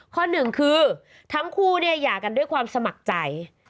ข้อหนึ่งคือทั้งคู่เนี่ยหย่ากันด้วยความสมัครใจ